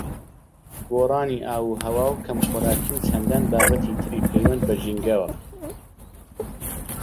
گۆڕانی ئاووهەوا و کەمخۆراکی و چەندان بابەتی تری پەیوەند بە ژینگەوە